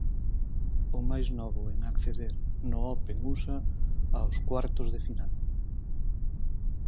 O máis novo en acceder no Open Usa aos cuartos de final.